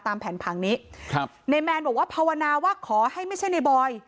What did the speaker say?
แผนผังนี้ครับในแมนบอกว่าภาวนาว่าขอให้ไม่ใช่ในบอย